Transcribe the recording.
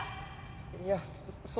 いやその。